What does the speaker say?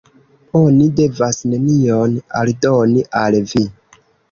Oni devas nenion aldoni al vi.